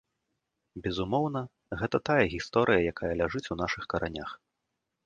Безумоўна, гэта тая гісторыя, якая ляжыць у нашых каранях.